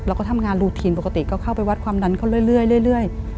เราก็ทำงานรูทีนปกติก็เข้าไปวัดความดันเขาเรื่อย